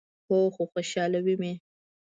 هو، خو خوشحالوي می